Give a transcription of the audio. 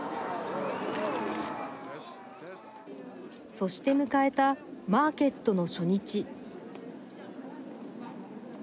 そして迎えたマーケットの初日。